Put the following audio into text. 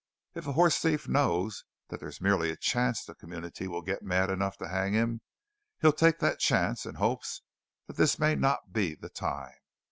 If a horse thief knows that there's merely a chance the community will get mad enough to hang him, he'll take that chance in hopes this may not be the time.